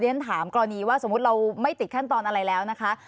ฉันถามกรณีว่าสมมุติเราไม่ติดขั้นตอนอะไรแล้วนะคะ